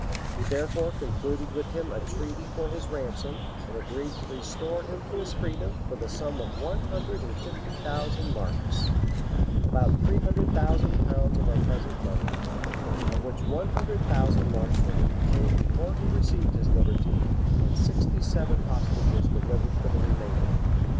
He therefore concluded with him a treaty for his ransom, and agreed to restore him to his freedom for the sum of one hundred and fifty thousand marks about three hundred thousand pounds of our present money of which one hundred thousand marks were to be paid before he received his liberty, and sixty seven hostages delivered for the remainder.